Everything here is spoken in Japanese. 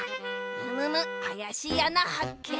あやしいあなはっけん！